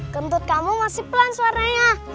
kentut kamu masih pelan suaranya